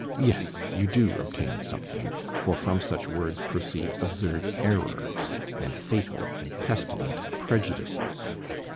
Yes, you do obtain something; for from such words proceed absurd errors, and fatal and pestilent prejudices.